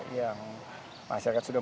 yang masyarakat sudah